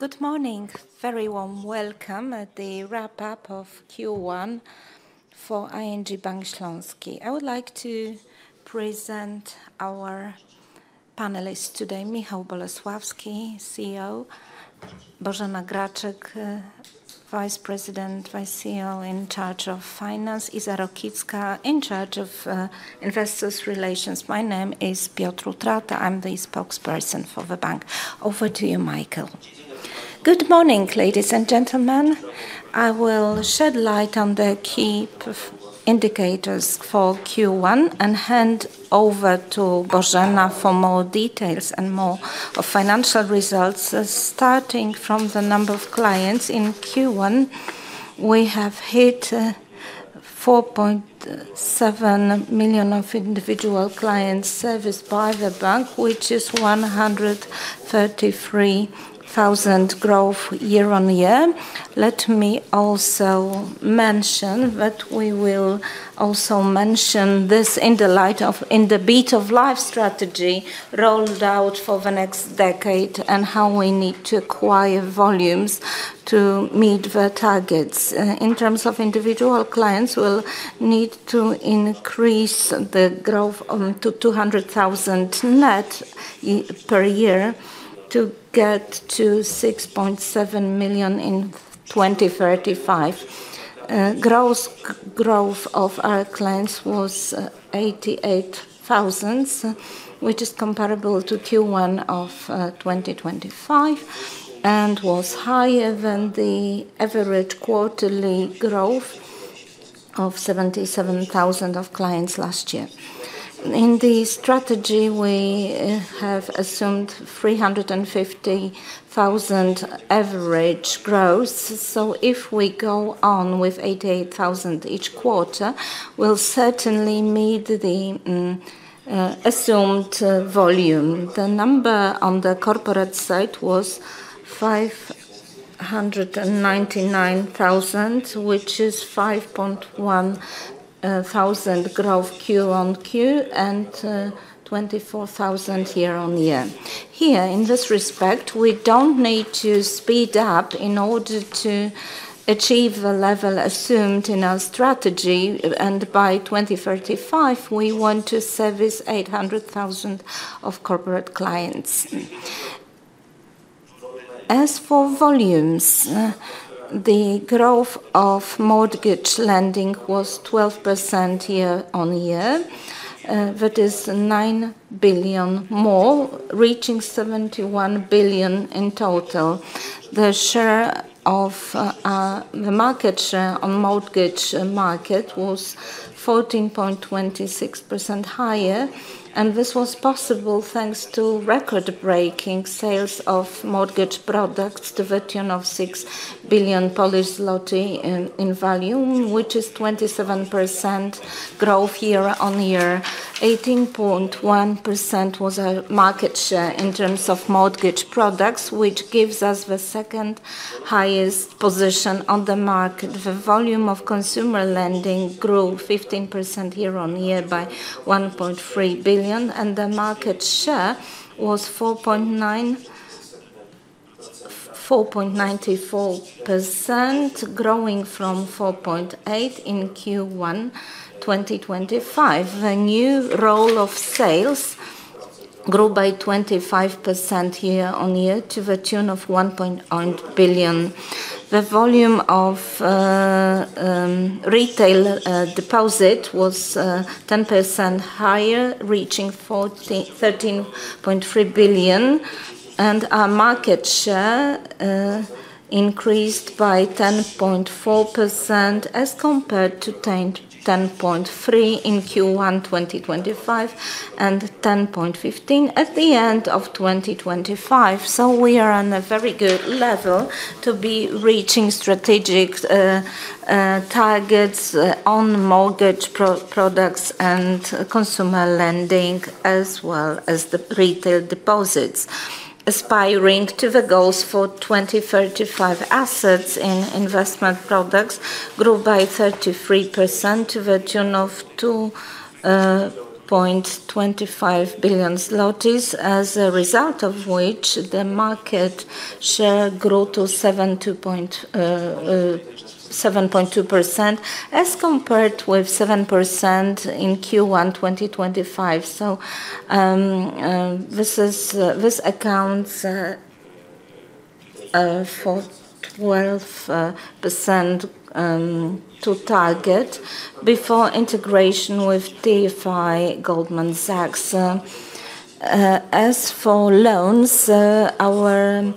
Good morning. Very warm welcome at the wrap-up of Q1 for ING Bank Śląski. I would like to present our panelists today, Michał Bolesławski, CEO, Bożena Graczyk, vice president, CEO in charge of finance, Iza Rokicka in charge of investor relations. My name is Piotr Utrata. I'm the spokesperson for the bank. Over to you, Michał. Good morning, ladies and gentlemen. I will shed light on the key indicators for Q1 and hand over to Bożena for more details and more financial results. Starting from the number of clients in Q1, we have hit 4.7 million of individual clients serviced by the bank, which is 133,000 growth year-on-year. Let me also mention that we will also mention this in the light of, in the Beat of Life strategy rolled out for the next decade, how we need to acquire volumes to meet the targets. In terms of individual clients, we'll need to increase the growth on to 200,000 net per year to get to 6.7 million in 2035. Gross growth of our clients was 88,000, which is comparable to Q1 of 2025, and was higher than the average quarterly growth of 77,000 of clients last year. In the strategy, we have assumed 350,000 average growth. If we go on with 88,000 each quarter, we'll certainly meet the assumed volume. The number on the corporate side was 599,000, which is 5,100 growth Q-on-Q and 24,000 year-on-year. Here, in this respect, we don't need to speed up in order to achieve the level assumed in our strategy, and by 2035, we want to service 800,000 of corporate clients. As for volumes, the growth of mortgage lending was 12% year-over-year. That is 9 billion more, reaching 71 billion in total. The share of the market share on mortgage market was 14.26% higher, and this was possible thanks to record-breaking sales of mortgage products to the tune of 6 billion Polish zloty in volume, which is 27% growth year-over-year. 18.1% was our market share in terms of mortgage products, which gives us the second highest position on the market. The volume of consumer lending grew 15% year-on-year by 1.3 billion, and the market share was 4.94%, growing from 4.8% in Q1 2025. The new volume of sales grew by 25% year-on-year to the tune of 1.8 billion. The volume of retail deposit was 10% higher, reaching 13.3 billion, and our market share increased by 10.4% as compared to 10.3% in Q1 2025, and 10.15% at the end of 2025. We are on a very good level to be reaching strategic targets on mortgage products and consumer lending as well as the retail deposits. Aspiring to the goals for 2035, assets in investment products grew by 33% to the tune of 2.25 billion zlotys, as a result of which the market share grew to 7.2% as compared with 7% in Q1 2025. This accounts for 12% to target before integration with TFI Goldman Sachs. As for loans, our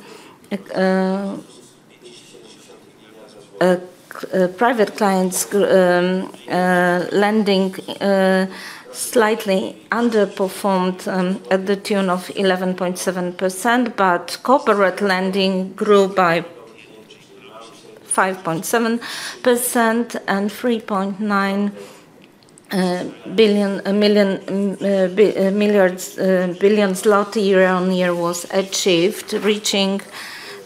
private clients lending slightly underperformed at the tune of 11.7%, but corporate lending grew by 5.7% and 3.9 billion zloty year-over-year was achieved, reaching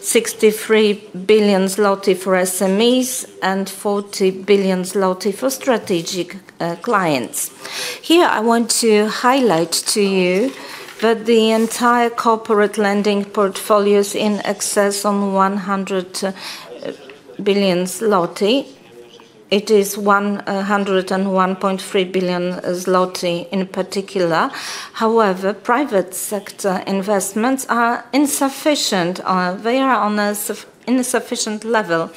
63 billion zloty for SMEs and 40 billion zloty for strategic clients. Here I want to highlight to you that the entire corporate lending portfolio is in excess of 100 billion zloty. It is 101.3 billion zloty in particular. Private sector investments are insufficient. They are on an insufficient level.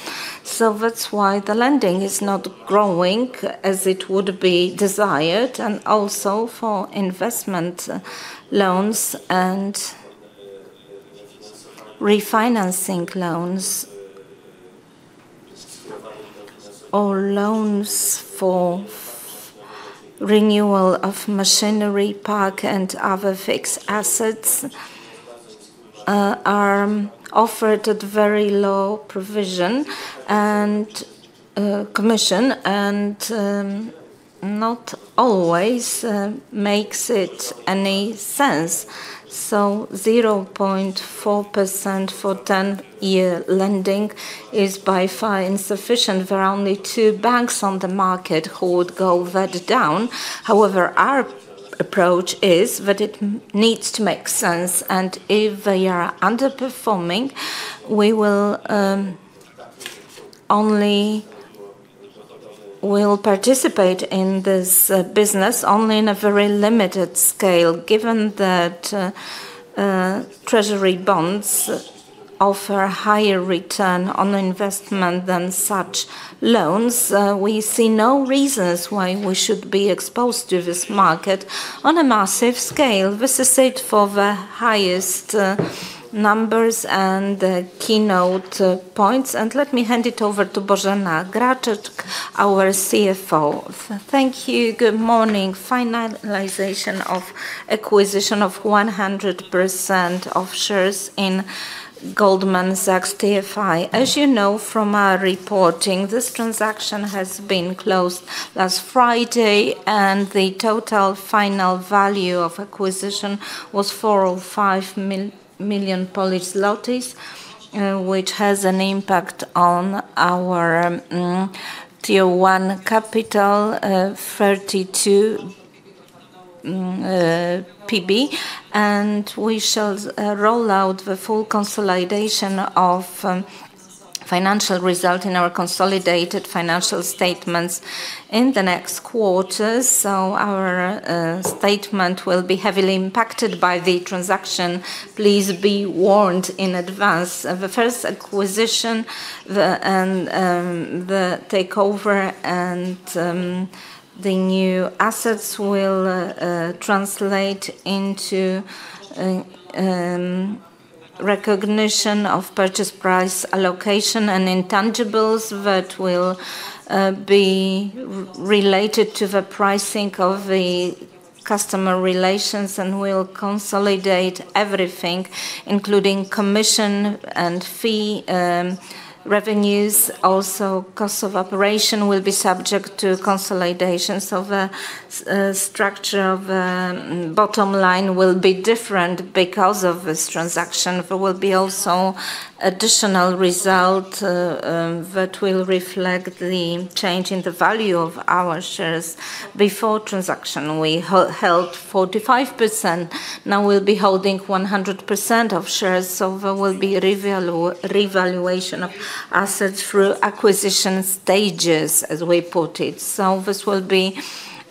That's why the lending is not growing as it would be desired. Also for investment loans and refinancing loans or loans for renewal of machinery park and other fixed assets are offered at very low provision and commission and not always makes it any sense. 0.4% for 10-year lending is by far insufficient. There are only two banks on the market who would go that down. However, our approach is that it needs to make sense. If they are underperforming, we will only participate in this business only in a very limited scale. Given that treasury bonds offer higher return on investment than such loans, we see no reasons why we should be exposed to this market on a massive scale. This is it for the highest numbers and keynote points. Let me hand it over to Bożena Graczyk, our CFO. Thank you. Good morning. Finalization of acquisition of 100% of shares in Goldman Sachs TFI. As you know from our reporting, this transaction has been closed last Friday. The total final value of acquisition was 4 million or 5 million Polish zlotys, which has an impact on our Tier 1 capital, 32 p.p. We shall roll out the full consolidation of financial result in our consolidated financial statements in the next quarter. Our statement will be heavily impacted by the transaction. Please be warned in advance. The first acquisition, the takeover and the new assets will translate into recognition of Purchase Price Allocation and intangibles that will be related to the pricing of the customer relations and will consolidate everything, including commission and fee revenues. Cost of operation will be subject to consolidation. The structure of bottom line will be different because of this transaction. There will be also additional result that will reflect the change in the value of our shares. Before transaction, we held 45%. Now we'll be holding 100% of shares. There will be revaluation of assets through acquisition stages, as we put it. This will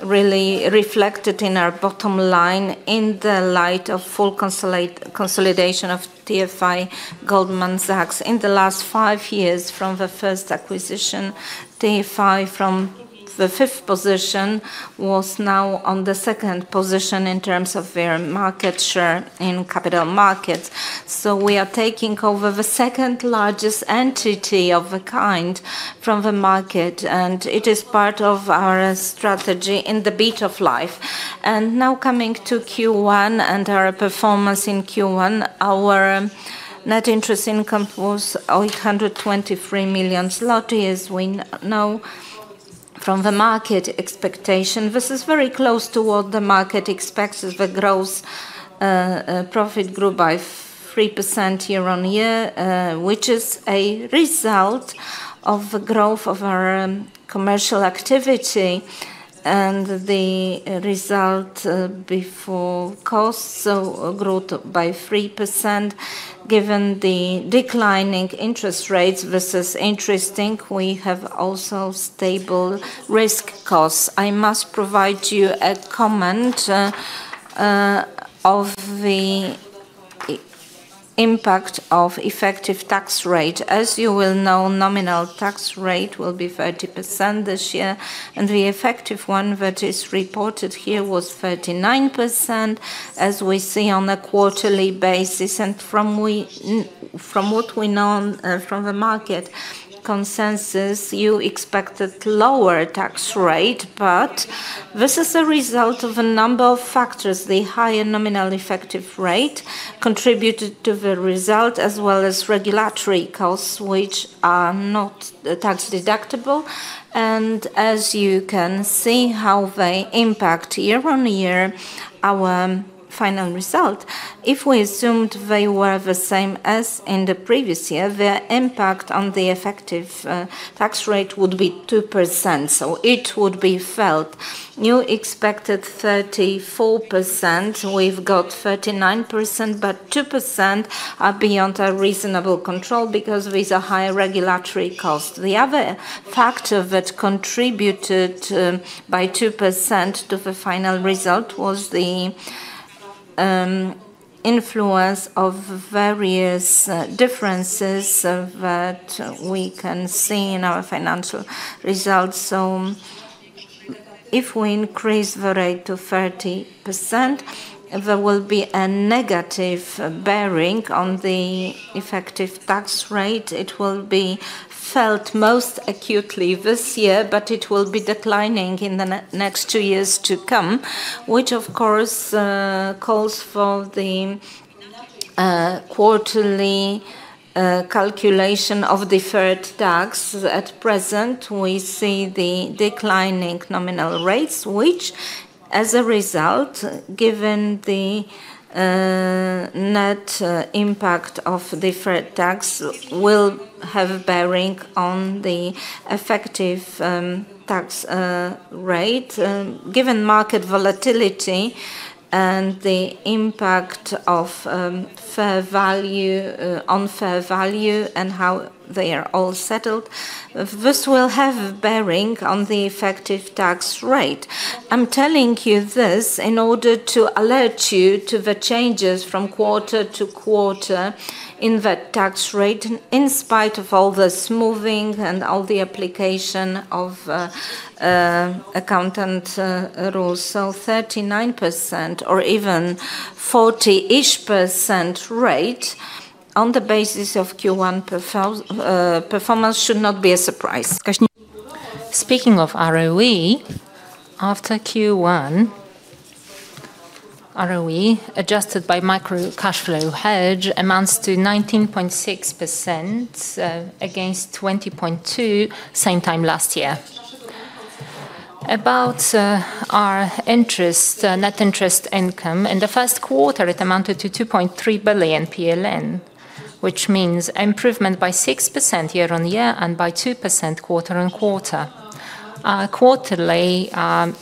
be really reflected in our bottom line in the light of full consolidation of Goldman Sachs TFI. In the last five years, from the first acquisition, TFI from the fifth position was now on the second position in terms of their market share in capital markets. We are taking over the second-largest entity of a kind from the market, and it is part of our strategy In the Beat of Life. Now coming to Q1 and our performance in Q1. Our net interest income was 823 million zloty. As we know from the market expectation, this is very close to what the market expects as the gross profit grew by 3% year-over-year, which is a result of the growth of our commercial activity. The result before costs grew by 3%. Given the declining interest rates, this is interesting. We have also stable risk costs. I must provide you a comment of the impact of effective tax rate. As you will know, nominal tax rate will be 30% this year, and the effective one that is reported here was 39%, as we see on a quarterly basis. From what we know, from the market consensus, you expected lower tax rate. This is a result of a number of factors. The higher nominal effective rate contributed to the result, as well as regulatory costs, which are not tax deductible. As you can see how they impact year on year, our final result. If we assumed they were the same as in the previous year, their impact on the effective tax rate would be 2%, so it would be felt. You expected 34%, we've got 39%, but 2% are beyond our reasonable control because these are higher regulatory costs. The other factor that contributed by 2% to the final result was the influence of various differences of that we can see in our financial results. If we increase the rate to 30%, there will be a negative bearing on the effective tax rate. It will be felt most acutely this year, but it will be declining in the next two years to come, which of course, calls for the quarterly calculation of deferred tax. At present, we see the declining nominal rates, which as a result, given the net impact of deferred tax will have a bearing on the effective tax rate. Given market volatility and the impact of fair value on fair value and how they are all settled, this will have a bearing on the effective tax rate. I am telling you this in order to alert you to the changes from quarter to quarter in the tax rate, in spite of all the smoothing and all the application of accountant rules. 39% or even 40%-ish rate on the basis of Q1 performance should not be a surprise. Speaking of ROE, after Q1, ROE, adjusted by macro cash flow hedge, amounts to 19.6% against 20.2% same time last year. About our net interest income, in the first quarter it amounted to 2.3 billion PLN, which means improvement by 6% year-on-year and by 2% quarter-on-quarter. Our quarterly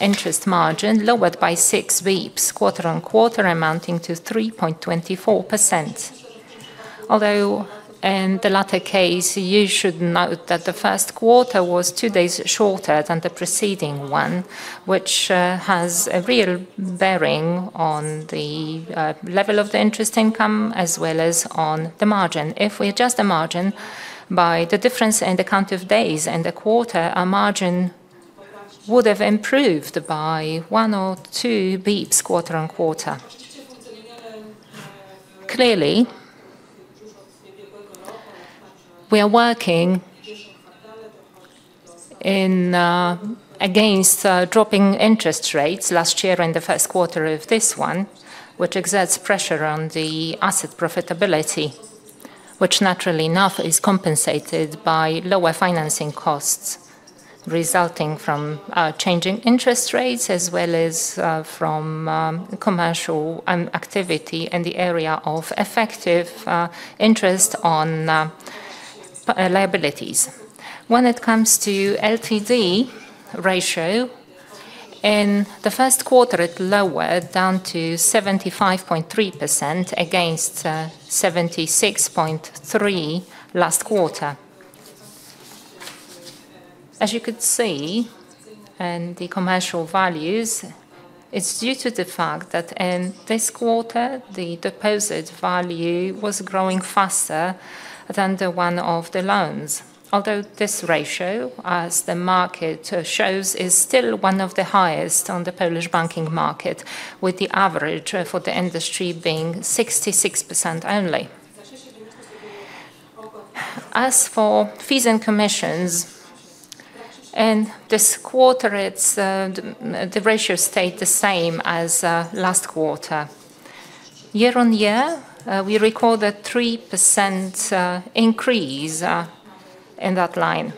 interest margin lowered by 6 bps quarter-on-quarter amounting to 3.24%. In the latter case, you should note that the first quarter was two days shorter than the preceding one, which has a real bearing on the level of the interest income as well as on the margin. If we adjust the margin by the difference in the count of days and the quarter, our margin would have improved by 1 or 2 bps quarter-on-quarter. Clearly, we are working against dropping interest rates last year and the first quarter of this one, which exerts pressure on the asset profitability, which naturally enough is compensated by lower financing costs resulting from changing interest rates as well as from commercial activity in the area of effective interest on liabilities. When it comes to LTV ratio, in the first quarter it lowered down to 75.3% against 76.3% last quarter. As you could see in the commercial values, it's due to the fact that in this quarter, the deposit value was growing faster than the one of the loans. Although this ratio, as the market shows, is still one of the highest on the Polish banking market, with the average for the industry being 66% only. As for fees and commissions, in this quarter it's, the ratio stayed the same as last quarter. Year-on-year, we recorded 3% increase in that line.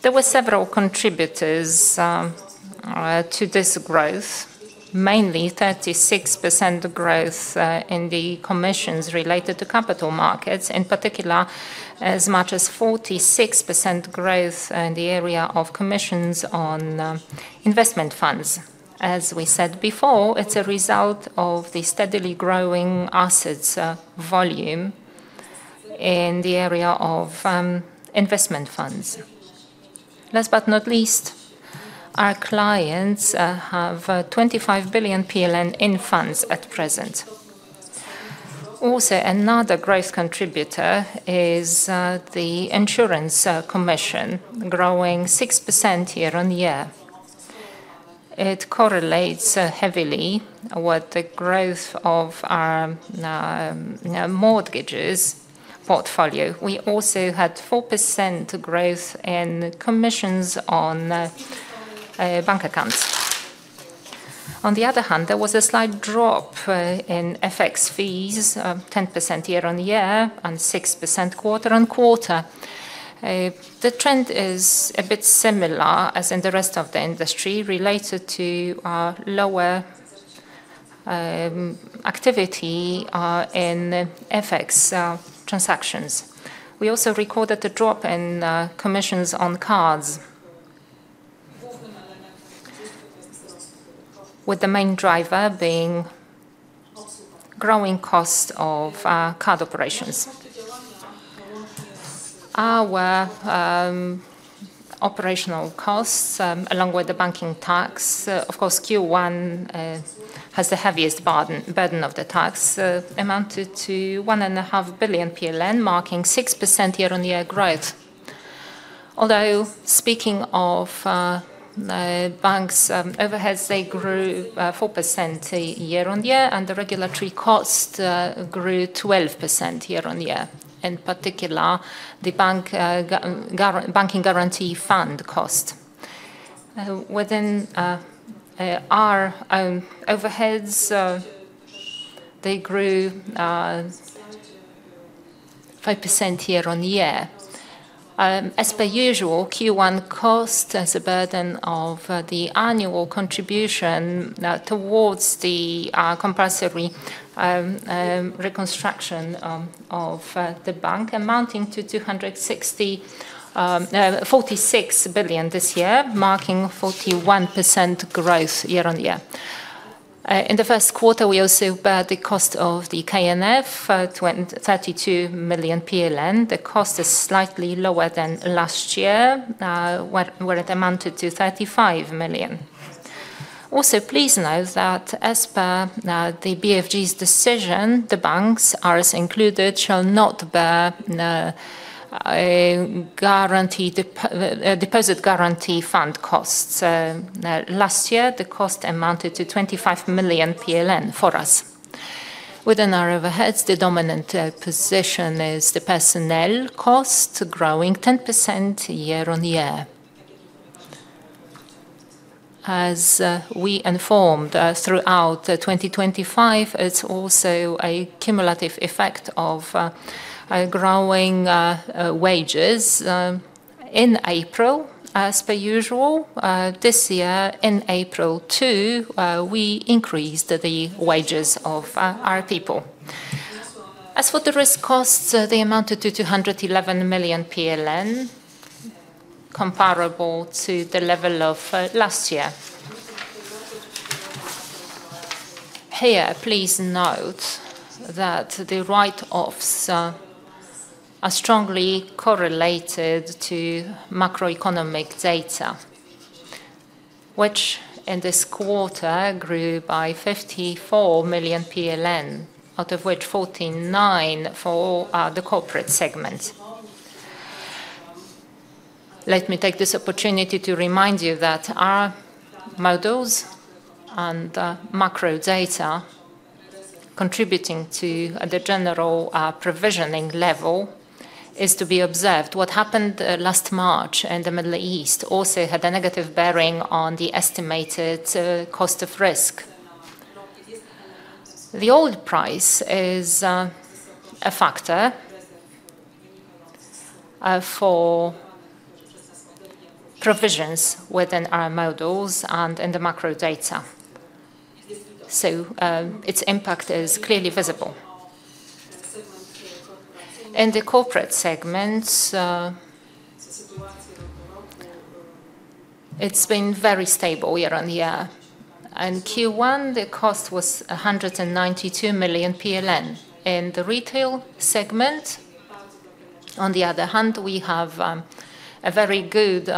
There were several contributors to this growth, mainly 36% growth in the commissions related to capital markets, in particular as much as 46% growth in the area of commissions on investment funds. As we said before, it's a result of the steadily growing assets volume in the area of investment funds. Last but not least, our clients have 25 billion PLN in funds at present. Another growth contributor is the insurance commission growing 6% year-on-year. It correlates heavily with the growth of our mortgages portfolio. We also had 4% growth in commissions on bank accounts. On the other hand, there was a slight drop in FX fees of 10% year-on-year and 6% quarter-on-quarter. The trend is a bit similar as in the rest of the industry related to lower activity in FX transactions. We also recorded a drop in commissions on cards. With the main driver being growing costs of card operations. Our operational costs, along with the banking tax, of course Q1 has the heaviest burden of the tax, amounted to 1.5 billion PLN, marking 6% year-on-year growth. Although speaking of banks overheads, they grew 4% year-on-year, and the regulatory cost grew 12% year-on-year. In particular, the banking guarantee fund cost. Within our overheads, they grew 5% year-on-year. As per usual, Q1 cost has a burden of the annual contribution towards the compulsory reconstruction of the bank amounting to 246 million this year, marking 41% growth year-on-year. In the first quarter, we also bear the cost of the KNF, 32 million PLN. The cost is slightly lower than last year, where it amounted to 35 million. Also, please note that as per the BFG's decision, the banks, ours included, shall not bear a deposit guarantee fund costs. Last year, the cost amounted to 25 million PLN for us. Within our overheads, the dominant position is the personnel cost growing 10% year-on-year. As we informed throughout 2025, it's also a cumulative effect of growing wages in April. As per usual, this year in April too, we increased the wages of our people. As for the risk costs, they amounted to 211 million PLN, comparable to the level of last year. Here, please note that the write-offs are strongly correlated to macroeconomic data, which in this quarter grew by 54 million PLN, out of which 49 for the corporate segment. Let me take this opportunity to remind you that our models and macro data contributing to the general provisioning level is to be observed. What happened last March in the Middle East also had a negative bearing on the estimated cost of risk. The oil price is a factor for provisions within our models and in the macro data. Its impact is clearly visible. In the corporate segment, it's been very stable year-on-year. In Q1, the cost was 192 million PLN. In the retail segment, on the other hand, we have a very good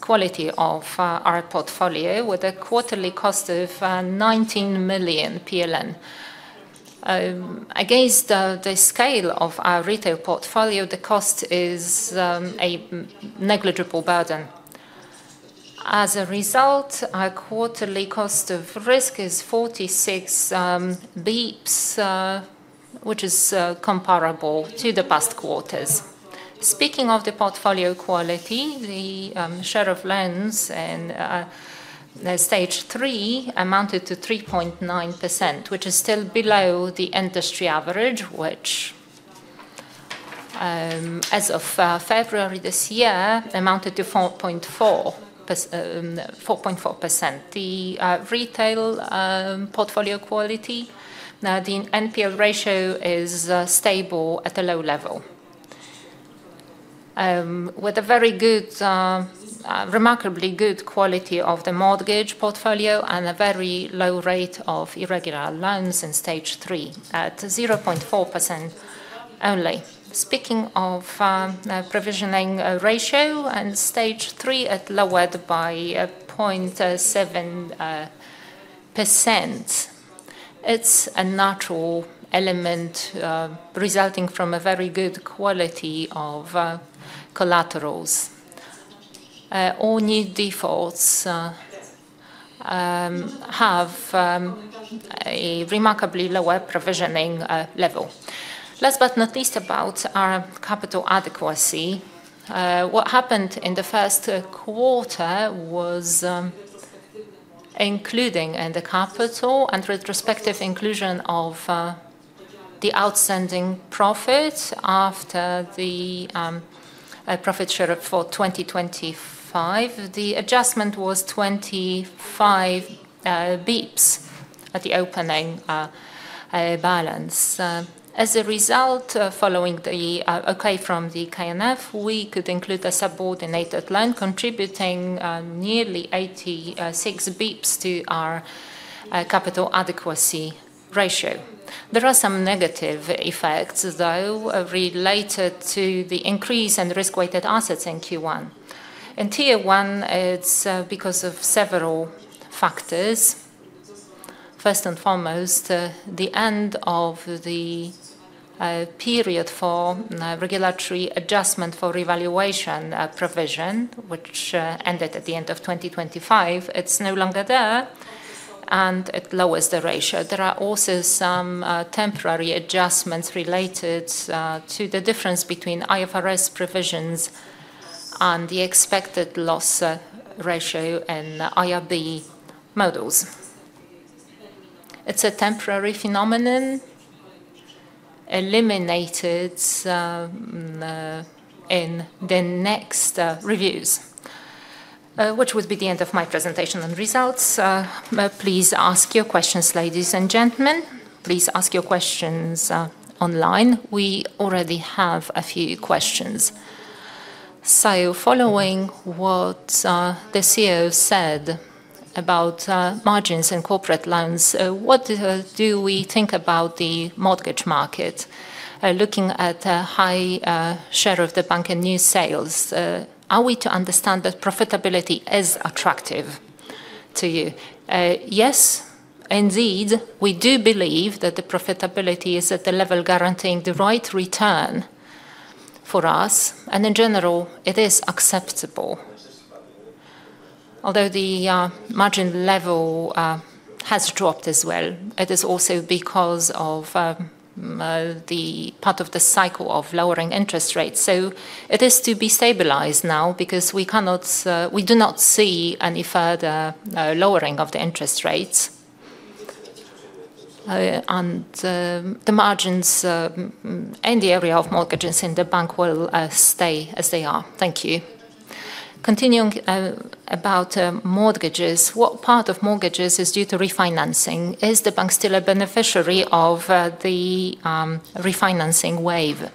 quality of our portfolio with a quarterly cost of 19 million PLN. Against the scale of our retail portfolio, the cost is a negligible burden. As a result, our quarterly cost of risk is 46 basis points, which is comparable to the past quarters. Speaking of the portfolio quality, the share of loans in Stage 3 amounted to 3.9%, which is still below the industry average, which as of February this year amounted to 4.4%. The retail portfolio quality, now the NPL ratio is stable at a low level, with a very good, remarkably good quality of the mortgage portfolio and a very low rate of irregular loans in Stage 3, at 0.4% only. Speaking of provisioning ratio and Stage 3, it lowered by 0.7%. It's a natural element, resulting from a very good quality of collaterals. All new defaults have a remarkably lower provisioning level. Last but not least, about our capital adequacy. What happened in the first quarter was, including in the capital and retrospective inclusion of the outstanding profit after the profit share for 2025. The adjustment was 25 bps at the opening balance. Following the okay from the KNF, we could include a subordinated loan contributing nearly 86 bps to our capital adequacy ratio. There are some negative effects, though, related to the increase in risk-weighted assets in Q1. In Tier 1, it's because of several factors. First and foremost, the end of the period for regulatory adjustment for revaluation provision, which ended at the end of 2025. It's no longer there, it lowers the ratio. There are also some temporary adjustments related to the difference between IFRS provisions and the expected loss ratio and IRB models. It's a temporary phenomenon eliminated in the next reviews. Which would be the end of my presentation and results. Please ask your questions, ladies and gentlemen. Please ask your questions online. We already have a few questions. Following what the CEO said about margins and corporate loans, what do we think about the mortgage market? Looking at the high share of the bank and new sales, are we to understand that profitability is attractive to you? Yes, indeed. We do believe that the profitability is at the level guaranteeing the right return for us, and in general, it is acceptable. Although the margin level has dropped as well, it is also because of the part of the cycle of lowering interest rates. It is to be stabilized now because we cannot, we do not see any further lowering of the interest rates. The margins in the area of mortgages in the bank will stay as they are. Thank you. Continuing about mortgages, what part of mortgages is due to refinancing? Is the bank still a beneficiary of the refinancing wave?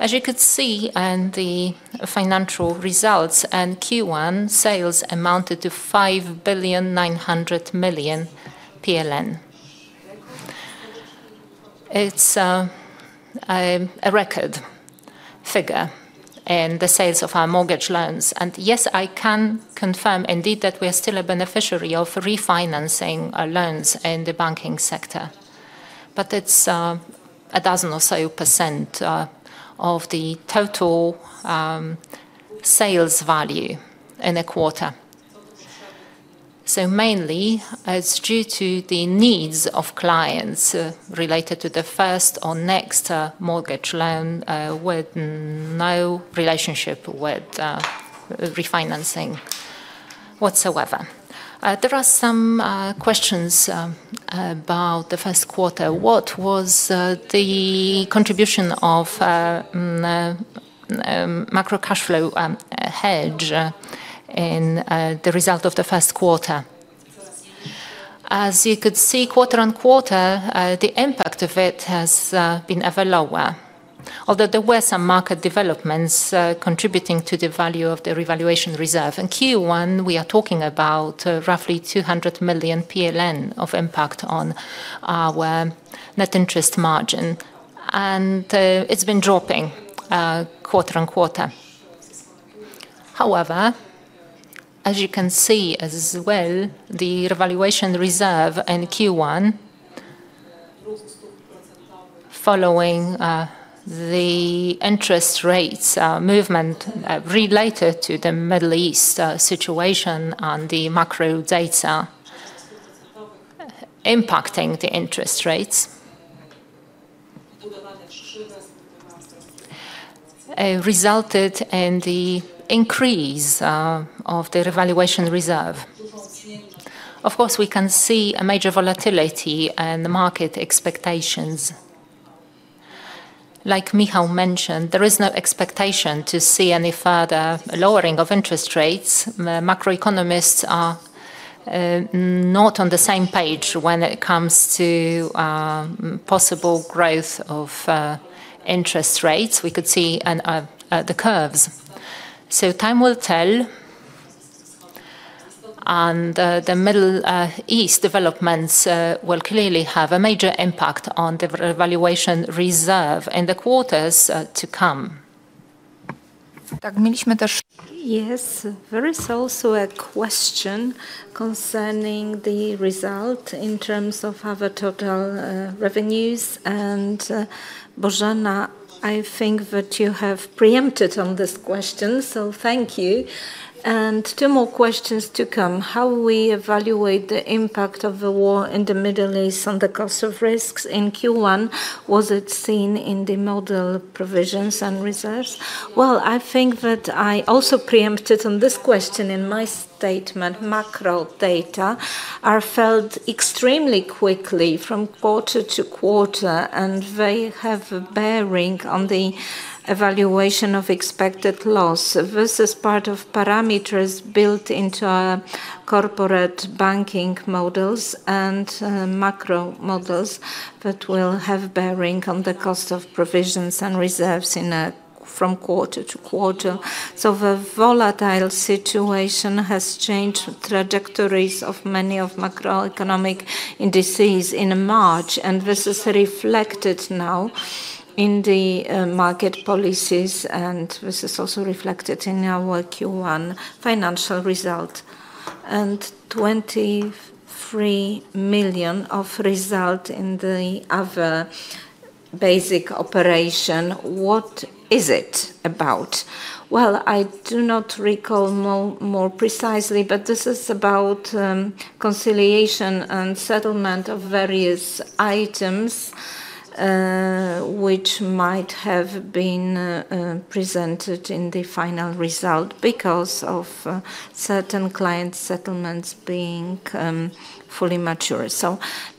As you could see in the financial results, in Q1, sales amounted to 5,900,000,000 PLN. It's a record figure in the sales of our mortgage loans. Yes, I can confirm indeed that we are still a beneficiary of refinancing our loans in the banking sector. It's a dozen or so percent of the total sales value in a quarter. Mainly it's due to the needs of clients related to the first or next mortgage loan with no relationship with refinancing whatsoever. There are some questions about the first quarter. What was the contribution of macro cash flow hedge in the result of the first quarter? As you could see quarter-over-quarter, the impact of it has been ever lower. Although there were some market developments contributing to the value of the revaluation reserve. In Q1, we are talking about roughly 200 million PLN of impact on our net interest margin, and it's been dropping quarter-over-quarter. However, as you can see as well, the revaluation reserve in Q1 following the interest rates movement related to the Middle East situation and the macro data impacting the interest rates, resulted in the increase of the revaluation reserve. Of course, we can see a major volatility in the market expectations. Like Michał mentioned, there is no expectation to see any further lowering of interest rates. Macroeconomists are not on the same page when it comes to possible growth of interest rates. We could see the curves. Time will tell. The Middle East developments will clearly have a major impact on the revaluation reserve in the quarters to come. Yes. There is also a question concerning the result in terms of our total revenues. Bożena, I think that you have preempted on this question, so thank you. Two more questions to come. How we evaluate the impact of the war in the Middle East on the cost of risks in Q1? Was it seen in the model provisions and reserves? Well, I think that I also preempted on this question in my statement. Macro data are felt extremely quickly from quarter to quarter, and they have a bearing on the evaluation of expected loss. This is part of parameters built into our corporate banking models and macro models that will have bearing on the cost of provisions and reserves from quarter to quarter. The volatile situation has changed trajectories of many macroeconomic indices in March, and this is reflected now in the market policies, and this is also reflected in our Q1 financial result. 23 million of result in the other basic operation, what is it about? Well, I do not recall more precisely, but this is about conciliation and settlement of various items, which might have been presented in the final result because of certain client settlements being fully mature.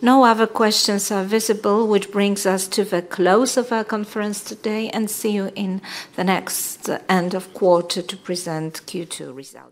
No other questions are visible, which brings us to the close of our conference today, and see you in the next end of quarter to present Q2 results.